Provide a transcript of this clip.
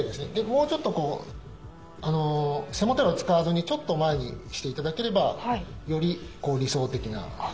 もうちょっと背もたれを使わずにちょっと前にして頂ければより理想的な形に。